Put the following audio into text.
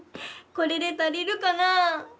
これで足りるかな？